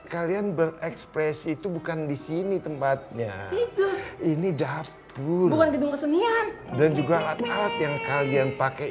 kalian berekspresi itu bukan di sini tempatnya ini dapur bukan gedung kesenian dan juga alat alat yang kalian pakai